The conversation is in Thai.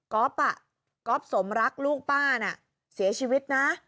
ก๊อฟอ่ะก๊อฟสมรักลูกป๊าน่ะเสียชีวิตนะ